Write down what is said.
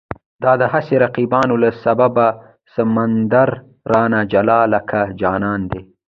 د دا هسې رقیبانو له سببه، سمندر رانه جلا لکه جانان دی